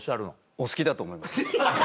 お好きだと思います。